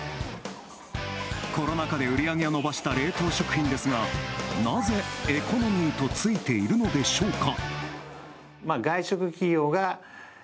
コロナ禍で売り上げを伸ばした冷凍食品ですがなぜ、「エコノミー」とついているのでしょうか。